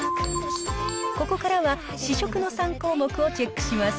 ここからは試食の３項目をチェックします。